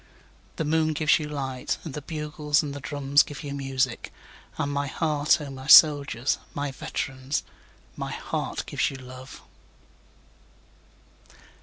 9The moon gives you light, And the bugles and the drums give you music; And my heart, O my soldiers, my veterans, My heart gives you love.